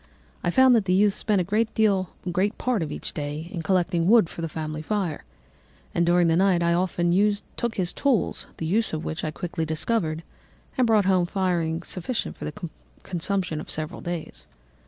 I found that the youth spent a great part of each day in collecting wood for the family fire, and during the night I often took his tools, the use of which I quickly discovered, and brought home firing sufficient for the consumption of several days.